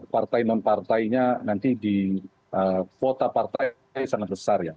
partai non partainya nanti di kuota partai sangat besar ya